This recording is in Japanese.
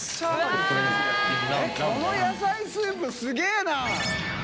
この野菜スープすげぇな！